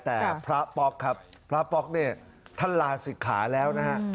แต่พระป๊อกครับพระป๊อกเนี่ยท่านลาศิกขาแล้วนะฮะ